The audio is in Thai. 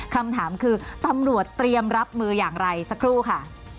คำถามคือตำรวจเตรียมรับมืออย่างไรสักครู่ค่ะ